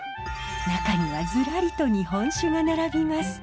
中にはずらりと日本酒が並びます。